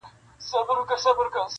نه يوه له بله ځان سو خلاصولاى-